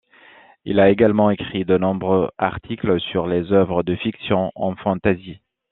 Elle a également écrit de nombreux articles sur les œuvres de fiction en fantasy.